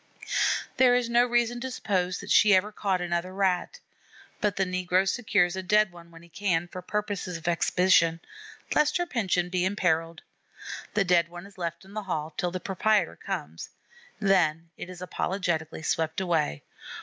There is no reason to suppose that she ever caught another Rat; but the negro secures a dead one when he can, for purposes of exhibition, lest her pension be imperilled. The dead one is left in the hall till the proprietor comes; then it is apologetically swept away.